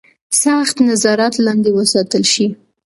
سخت نظارت لاندې وساتل شي.